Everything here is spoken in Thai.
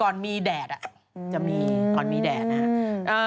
ก่อนมีแดดอ่ะจะมีก่อนมีแดดนะครับ